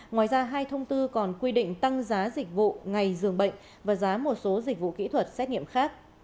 ngoài ra hai thông tư còn quy định tăng giá dịch vụ ngày dường bệnh và giá một số dịch vụ kỹ thuật xét nghiệm khác